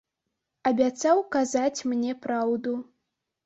Абяцаў казаць мне праўду.